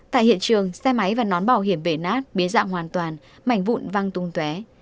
tại hiện trường xe máy và nón bảo hiểm bể nát biến dạng hoàn toàn mảnh vụn văng tung té